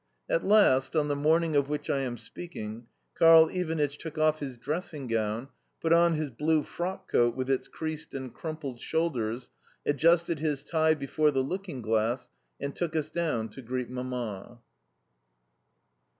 At last, on the morning of which I am speaking, Karl Ivanitch took off his dressing gown, put on his blue frockcoat with its creased and crumpled shoulders, adjusted his tie before the looking glass, and took us down to greet Mamma.